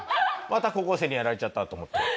また高校生にやられちゃったと思って。